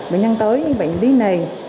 bệnh nhân tới như bệnh lý nền